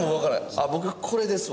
あっ僕これですわ。